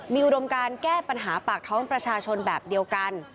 มีอุดมการแก้ปัญหาปากท้องประชาชนแบบเดียวกัน